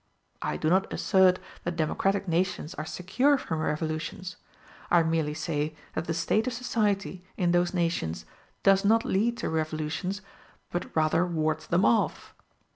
I do not assert that democratic nations are secure from revolutions; I merely say that the state of society in those nations does not lead to revolutions, but rather wards them off.